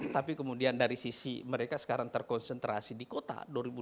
tapi kemudian dari sisi mereka sekarang terkonsentrasi di kota